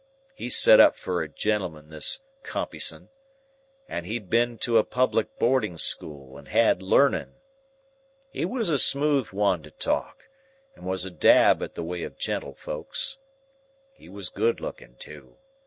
"He set up fur a gentleman, this Compeyson, and he'd been to a public boarding school and had learning. He was a smooth one to talk, and was a dab at the ways of gentlefolks. He was good looking too.